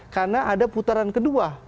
karena ada putaran kedua